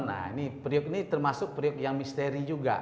nah ini periuk ini termasuk periuk yang misteri juga